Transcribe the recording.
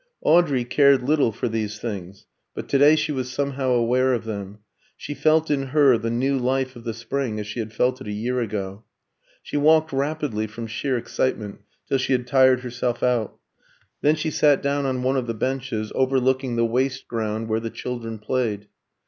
Audrey cared little for these things, but to day she was somehow aware of them; she felt in her the new life of the spring, as she had felt it a year ago. She walked rapidly from sheer excitement, till she had tired herself out; then she sat down on one of the benches, overlooking the waste ground where the children played.